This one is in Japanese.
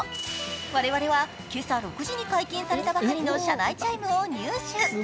我々は今朝６時に解禁したばかりの車内チャイムを入手。